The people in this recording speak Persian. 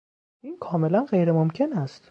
این کاملا غیر ممکن است.